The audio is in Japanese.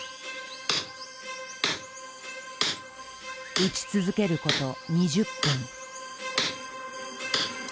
打ち続けること２０分。